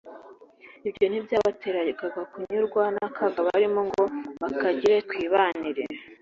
Ibyo ntibyabateraga kunyurwa n’akaga barimo ngo bakagire twibanire